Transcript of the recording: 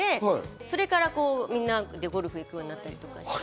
それからみんなでゴルフに行くようになって。